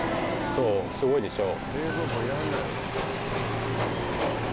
そうすごいでしょ？